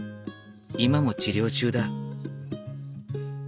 今も治療中だ。